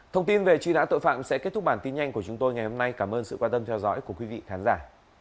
thông tin về truy nã tội phạm sẽ kết thúc bản tin nhanh của chúng tôi ngày hôm nay cảm ơn sự quan tâm theo dõi của quý vị khán giả